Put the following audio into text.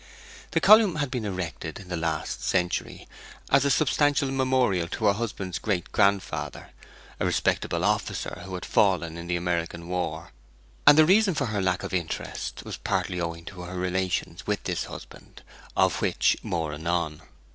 The column had been erected in the last century, as a substantial memorial of her husband's great grandfather, a respectable officer who had fallen in the American war, and the reason of her lack of interest was partly owing to her relations with this husband, of which more anon.